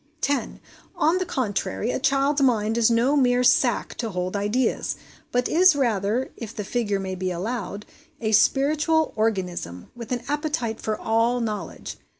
10. On the contrary, a child's mind is no mere sac to hold ideas; but is rather, if the figure may be allowed, a spiritual organism, with an appetite for all knowledge.